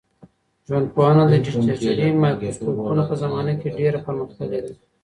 ژوندپوهنه د ډیجیټلي مایکروسکوپونو په زمانه کي ډېره پرمختللې ده.